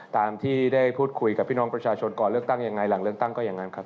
ตามที่ได้พูดคุยกับพี่น้องประชาชนก่อนเลือกตั้งยังไงหลังเลือกตั้งก็อย่างนั้นครับ